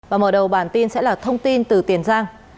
và mở đầu bản tin sẽ là thông tin từ tiền giang